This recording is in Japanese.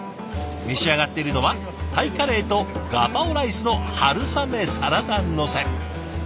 召し上がっているのはタイカレーとガパオライスの春雨サラダのせ。